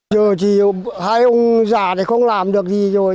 nói chung là không làm được gì rồi